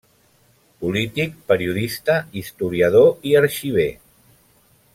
Polític, periodista, historiador i arxiver.